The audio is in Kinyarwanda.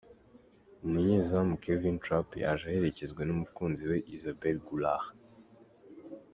Umunyezamu Kevin Trapp yaje aherekejwe n’umukunzi we Izabel Goulart .